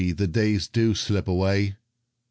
the days do slip away !